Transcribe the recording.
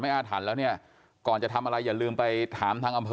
อาถรรพ์แล้วเนี่ยก่อนจะทำอะไรอย่าลืมไปถามทางอำเภอ